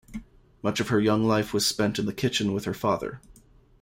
Much of her young life was spent in the kitchen with her father.